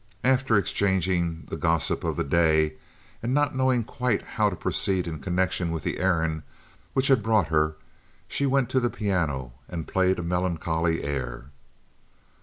After exchanging the gossip of the day, and not knowing quite how to proceed in connection with the errand which had brought her, she went to the piano and played a melancholy air.